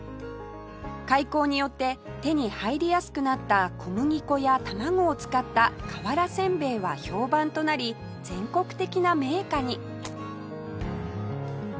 開港によって手に入りやすくなった小麦粉や卵を使った瓦せんべいは評判となり全国的な銘菓に